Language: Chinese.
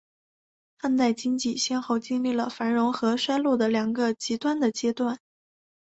汉代经济先后经历了繁荣和衰落两个极端的阶段。